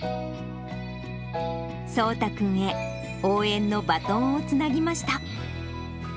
創大君へ、応援のバトンをつなぎました。